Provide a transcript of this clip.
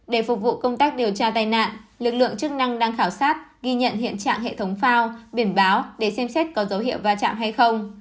để phục vụ công tác điều tra tai nạn lực lượng chức năng đang khảo sát ghi nhận hiện trạng hệ thống phao biển báo để xem xét có dấu hiệu va chạm hay không